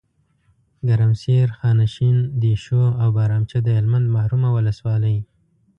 ګرمسیر، خانشین، دیشو او بهرامچه دهلمند محرومه ولسوالۍ